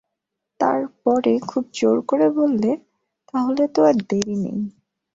তার পরে খুব জোর করে বললে, তা হলে তো আর দেরি নেই।